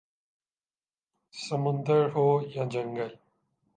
سمندر ہو یا جنگل